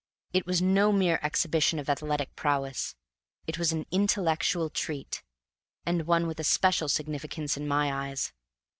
It was no mere exhibition of athletic prowess, it was an intellectual treat, and one with a special significance in my eyes.